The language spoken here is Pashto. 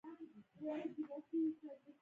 په زړه پورې ده چې دوی د نښان په تناقض پوه نشول